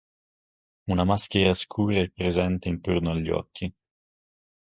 Una maschera scura è presente intorno agli occhi.